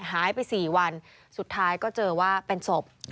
หายไป๔วันสุดท้ายก็เจอว่าเป็นศพ